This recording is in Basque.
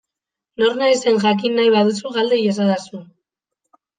Nor naizen jakin nahi baduzu, galde iezadazu.